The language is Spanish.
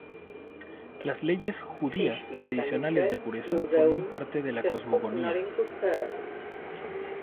Las leyes judías tradicionales de pureza forman parte de la cosmogonía.